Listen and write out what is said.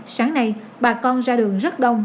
sáng nay bà con ra đường rất đông